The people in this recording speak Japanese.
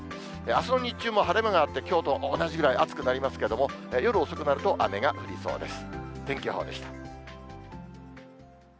あすの日中も晴れ間があって、きょうと同じぐらい暑くなりますけれども、夜遅くなると、雨が降りそうです。